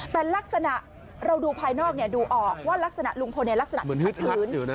แต่ลักษณะเราดูภายนอกดูออกว่ารักษณะลุงพลลักษณะเหมือนฮึดพื้น